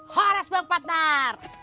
horas bang patar